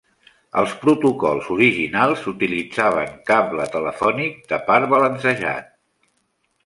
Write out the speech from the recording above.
Els protocols originals utilitzaven cable telefònic de par balancejat.